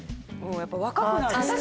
やっぱ若くなる。